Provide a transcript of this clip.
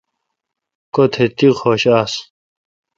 کوتھ تی حوشہ آستہ